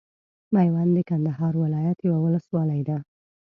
ميوند د کندهار ولايت یوه ولسوالۍ ده.